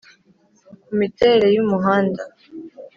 kumiterere y’umuhanda